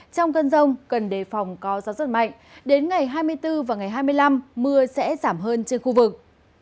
trong cơn rông cần đề phòng có gió giật mạnh đến ngày hai mươi bốn và ngày hai mươi năm mưa sẽ giảm hơn trên khu vực